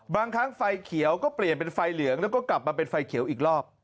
บางครั้งไฟเขียวก็เปลี่ยนเป็นไฟเหลืองแล้วก็กลับมาเป็นไฟเขียวอีกรอบ